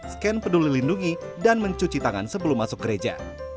scan peduli lindungi dan mencuci tangan sebelum masuk gereja